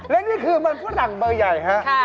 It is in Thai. และนี่คือมันฝรั่งเบอร์ใหญ่ฮะ